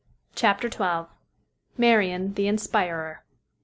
CHAPTER XII. MARIAN, THE INSPIRER.